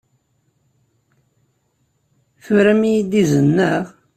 Turam-iyi-d izen, naɣ?